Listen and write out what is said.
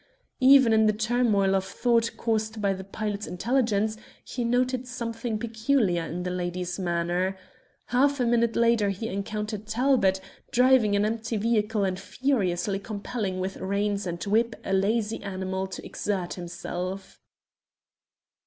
Even in the turmoil of thought caused by the pilot's intelligence he noted something peculiar in the lady's manner. Half a minute later he encountered Talbot, driving an empty vehicle and furiously compelling with reins and whip a lazy animal to exert himself.